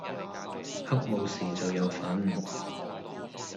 黑武士就有份